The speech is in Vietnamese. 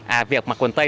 à việc mặc quần tay